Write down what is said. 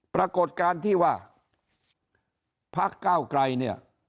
ปรากฏการณ์ที่ว่าพักเก้าไกรเนี่ย